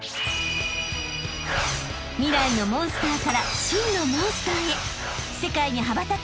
［未来のモンスターから真のモンスターへ］